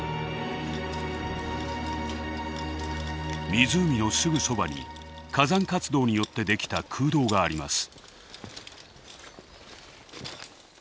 湖のすぐそばに火山活動によってできた空洞があります。